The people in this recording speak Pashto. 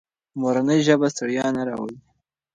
مورنۍ ژبه ستړیا نه راولي.